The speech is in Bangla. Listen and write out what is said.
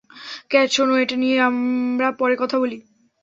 ক্যাট, শোনো, এটা নিয়ে আমরা পরে কথা বলি?